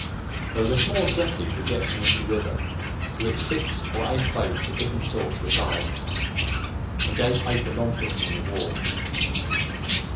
There was a small jetty projecting into the river, to which six or eight boats of different sorts were tied; a gate opened onto this from the wall.